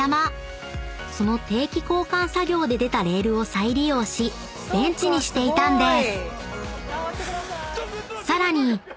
［その定期交換作業で出たレールを再利用しベンチにしていたんです］